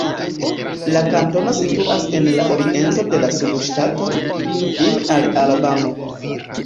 La kantono situas en la oriento de la subŝtato, lime al Alabamo.